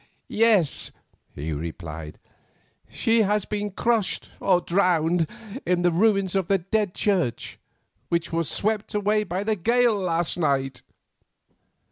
"Yes," he replied, "she has been crushed or drowned in the ruins of the Dead Church, which was swept away by the gale last night."